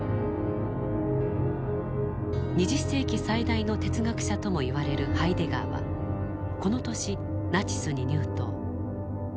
２０世紀最大の哲学者ともいわれるハイデガーはこの年ナチスに入党。